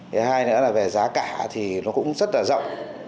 thứ hai nữa là về giá cả thì nó cũng rất là rộng